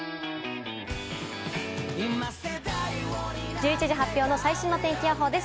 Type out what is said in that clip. １１時発表の最新の天気予報です。